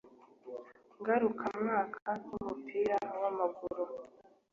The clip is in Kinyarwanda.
ngarukamwaka ry umupira w amaguru